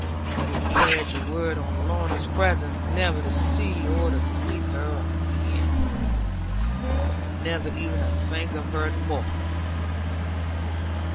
You will pledge your word in Lorna's presence never to see or to seek her again; never even to think of her more.